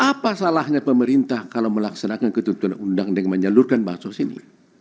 apa salahnya pemerintah kalau melaksanakan ketentuan undang dengan menyalurkan bansos ini